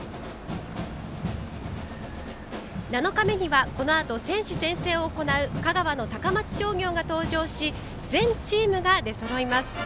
７日目にはこのあと選手宣誓を行う香川の高松商業が登場し全チームが出そろいます。